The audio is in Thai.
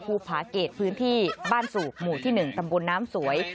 ภูผาเกตพื้นที่บ้านสูบหมู่ที่๑ตำบลน้ำสวย